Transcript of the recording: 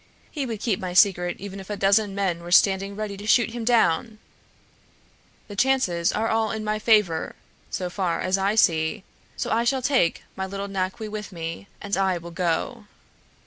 He would keep my secret even if a dozen men were standing ready to shoot him down. The chances are all in my favor, so far as I see; so I shall take my little Naqui with me, and I will go."